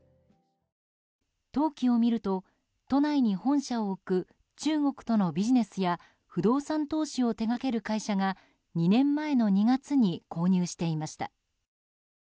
登記を見ると、都内に本社を置く中国とのビジネスや不動産投資を手掛ける会社が２年前の２月に購入していました。